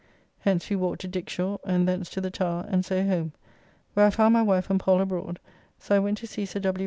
Hence we walked to Dick Shore, and thence to the Towre and so home. Where I found my wife and Pall abroad, so I went to see Sir W.